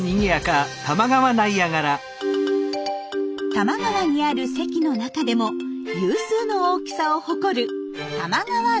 多摩川にある堰の中でも有数の大きさを誇る多摩川ナイアガラ。